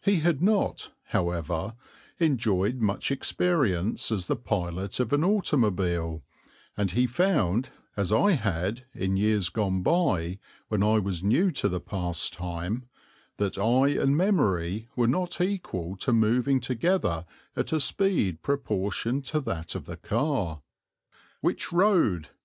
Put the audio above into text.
He had not, however, enjoyed much experience as the pilot of an automobile, and he found, as I had in years gone by when I was new to the pastime, that eye and memory were not equal to moving together at a speed proportioned to that of the car. "Which road?"